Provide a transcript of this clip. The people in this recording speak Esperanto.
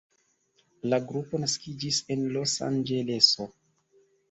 La grupo naskiĝis en Los Anĝeleso.